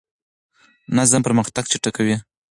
نظم پرمختګ چټکوي.